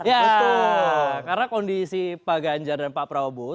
ya karena kondisi pak ganjar dan pak prabowo